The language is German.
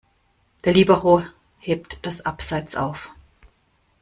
Der Libero hebt das Abseits auf.